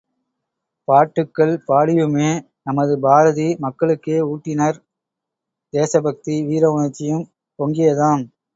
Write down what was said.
பாட்டுக்கள் பாடியுமே நமது பாரதி மக்களுக்கே ஊட்டினர் தேசபக்தி வீர உணர்ச்சியும் பொங்கியதாம்.